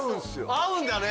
合うんだね。